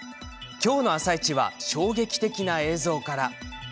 今日の「あさイチ」は衝撃的な映像から。